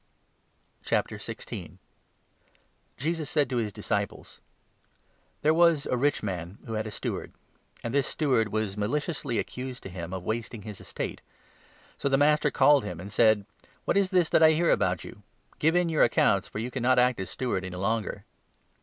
'" 142 LUKE, 16. Parable Jesus said to his disciples : I of the "There was a rich man who had a steward ; dishonest ancj this steward was maliciously accused to him of wasting his estate. So the master called him 2 and said ' What is this that I hear about you ? Give in your accounts, for you cannot act as steward any longer.'